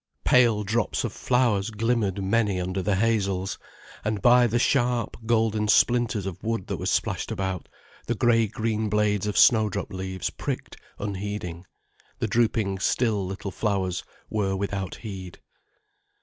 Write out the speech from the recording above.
Pale drops of flowers glimmered many under the hazels, and by the sharp, golden splinters of wood that were splashed about, the grey green blades of snowdrop leaves pricked unheeding, the drooping still little flowers were without heed.